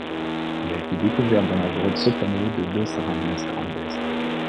Elle a été découverte dans la grotte Sótano de Dos Arañas Grandes.